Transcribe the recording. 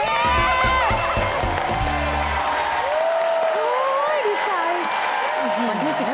เฮ่ยดีใจ